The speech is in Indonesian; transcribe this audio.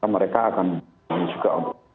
mereka akan juga